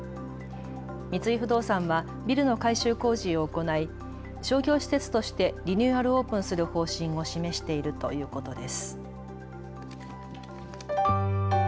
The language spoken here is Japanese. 三井不動産はビルの改修工事を行い商業施設としてリニューアルオープンする方針を示しているということです。